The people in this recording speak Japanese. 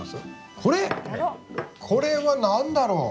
これ⁉これは何だろう？